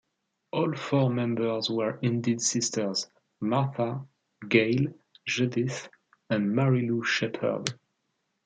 All four members were indeed sisters: Martha, Gayle, Judith and MaryLou Shepherd.